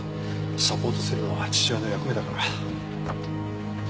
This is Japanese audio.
サポートするのは父親の役目だから。